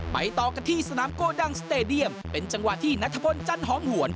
ต่อกันที่สนามโกดังสเตดียมเป็นจังหวะที่นัทพลจันหอมหวน